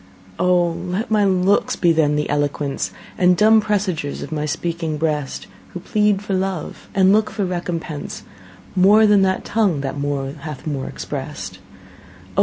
O! let my looks be then the eloquence And dumb presagers of my speaking breast, Who plead for love, and look for recompense, More than that tongue that more hath more express'd. O!